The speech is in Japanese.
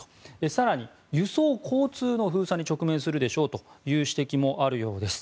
更に輸送・交通の封鎖に直面するでしょうという指摘もあるようです。